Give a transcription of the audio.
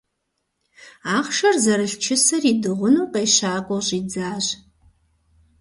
Ахъшэр зэрылъ чысэр идыгъуну къещакӀуэу щӀидзащ.